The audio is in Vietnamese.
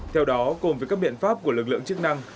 theo đó cùng với các biện pháp của lực lượng chức năng